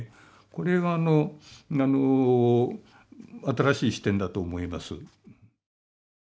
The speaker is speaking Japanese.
これは新しい視点だと思います。